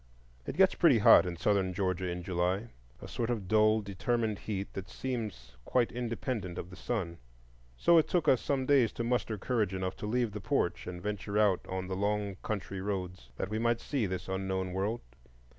It gets pretty hot in Southern Georgia in July,—a sort of dull, determined heat that seems quite independent of the sun; so it took us some days to muster courage enough to leave the porch and venture out on the long country roads, that we might see this unknown world.